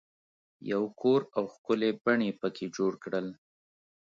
یو کور او ښکلی بڼ یې په کې جوړ کړل.